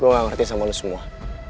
gue gak ngerti sama lo semua